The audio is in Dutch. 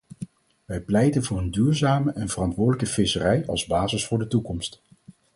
Wij pleiten voor een duurzame en verantwoordelijke visserij als basis voor de toekomst.